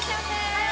はい！